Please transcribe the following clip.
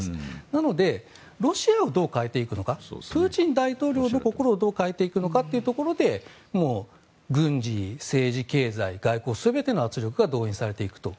なのでロシアをどう変えていくのかプーチン大統領の心をどう変えていくのかというところで軍事、政治、経済、外交全ての圧力が動員されていくと。